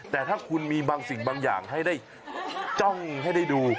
แต่ถ้าคุณมีบางสิ่งบางอย่างให้ได้จ้องให้ได้ดู